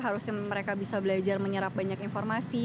harusnya mereka bisa belajar menyerap banyak informasi